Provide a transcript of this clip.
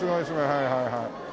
はいはいはい。